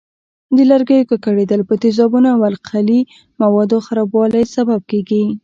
د لرګیو ککړېدل په تیزابونو او القلي موادو خرابوالي سبب کېږي.